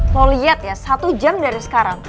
lo liat ya satu jam dari sekarang